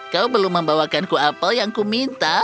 kau belum membawakanku apel yang kuminta